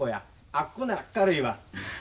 あっこなら軽いわ。